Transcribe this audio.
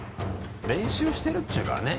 練習してるっていうからね。